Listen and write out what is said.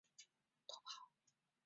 头孢达肟是一种第三代头孢菌素。